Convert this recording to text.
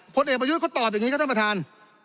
ผลเอกประยุทธ์เขาตอบอย่างนี้ครับท่านประธาน